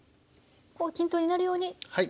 ここは均等になるようにはい。